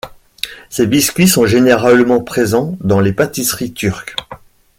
Ces biscuits sont généralement présents dans les pâtisseries turques.